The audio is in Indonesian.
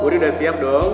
wuri udah siap dong